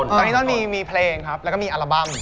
นั่นมีทางนั้นมีเพลงครับแล้วก็มีอัลบั้ม